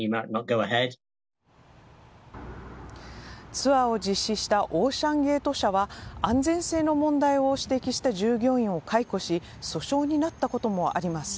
ツアーを実施したオーシャンゲート社は安全性の問題を指摘した従業員を解雇し訴訟になったこともあります。